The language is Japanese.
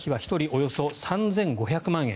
およそ３５００万円。